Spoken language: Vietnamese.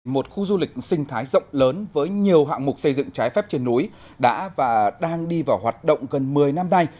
một khu du lịch sinh thái rộng lớn với nhiều hạng mục xây dựng trái phép trên núi đã và đang đi vào hoạt động gần một mươi năm nay